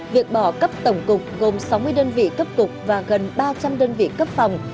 việc bỏ cấp tổng cục gồm sáu mươi đơn vị cấp cục và gần ba trăm linh đơn vị cấp phòng